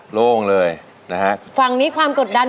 โปรดติดตามต่อไป